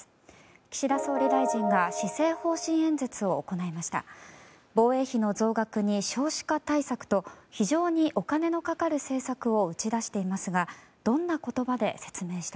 岸田総理大臣が施政方針演説を行いました。